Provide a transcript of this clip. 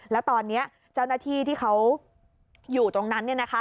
แล้วตอนนี้เจ้าหน้าที่ที่เขาอยู่ตรงนั้น